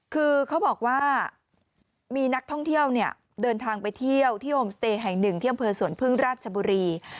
คือเขาบอกว่ามีนักท่องเที่ยวเนี่ยเดินทางไปเที่ยวที่โฮมสเตย์แห่งหนึ่งที่อำเภอสวนพึ่งราชบุรี